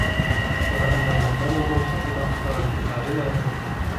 كَمَا أَنَّ الْمَكَانَ الْمُنْخَفِضَ أَكْثَرُ الْبِقَاعِ مَاءً